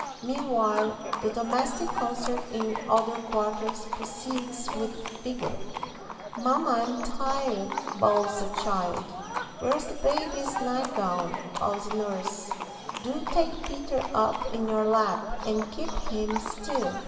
Meanwhile the domestic concert in other quarters proceeds with vigor. "Mamma, I'm tired!" bawls a child. "Where's the baby's nightgown?" calls a nurse. "Do take Peter up in your lap, and keep him still."